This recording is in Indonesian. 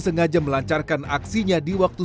sengaja melancarkan aksinya di waktu